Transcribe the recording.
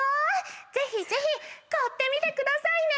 ぜひぜひ買ってみてくださいね！